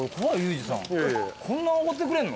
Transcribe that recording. こんなおごってくれんの？